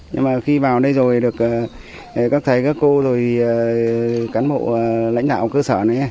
nhưng mà khi vào đây rồi được các thầy các cô rồi cán bộ lãnh đạo cơ sở này